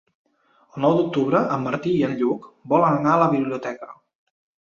El nou d'octubre en Martí i en Lluc volen anar a la biblioteca.